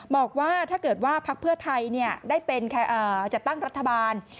บอกว่าถ้าเกิดว่าพักเพื่อไทยได้เป็นจัดตั้งรัฐบาล